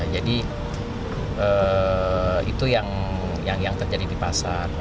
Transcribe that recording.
jadi itu yang terjadi di pasar